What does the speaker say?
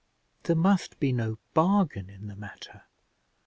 There must be no bargain in the matter.